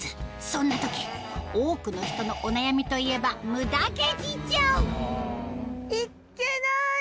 そんな時多くの人のお悩みといえばムダ毛事情いっけない！